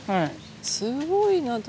すごいなと。